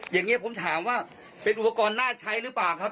อย่างนี้ผมถามว่าเป็นอุปกรณ์น่าใช้หรือเปล่าครับ